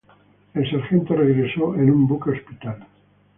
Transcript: El sargento regresó en un buque hospital.